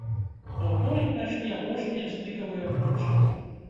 У аўторак прайшлі апошнія стыкавыя матчы.